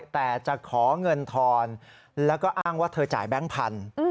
แต่จะขอเงินทอนแล้วก็อ้างว่าเธอจ่ายแบงค์พันธุ์